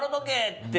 って。